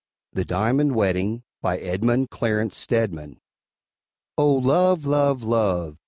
THE DIAMOND WEDDING BY EDMUND CLARENCE STEDMAN O Love! Love! Love!